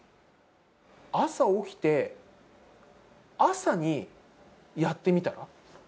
朝起きて、朝にやってみたら。